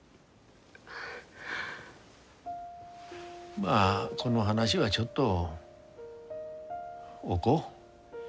まあこの話はちょっと置こう。